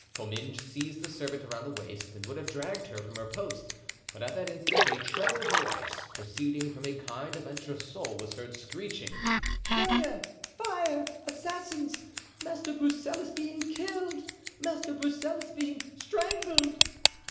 Comminges seized the servant around the waist and would have dragged her from her post; but at that instant a treble voice, proceeding from a kind of entresol, was heard screeching: "Murder! fire! assassins! Master Broussel is being killed! Master Broussel is being strangled."